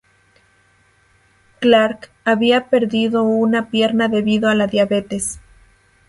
Clarke había perdido una pierna debido a la diabetes.